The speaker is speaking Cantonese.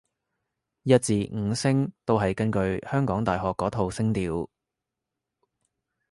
一至五聲都係根據香港大學嗰套聲調